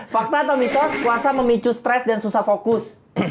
fakta atau mitos puasa memicu stres dan susah fokus